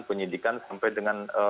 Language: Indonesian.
penyelidikan sampai dengan